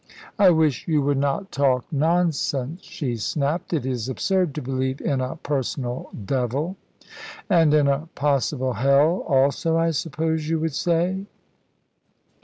"I wish you would not talk nonsense," she snapped; "it is absurd to believe in a personal devil." "And in a possible hell also, I suppose you would say."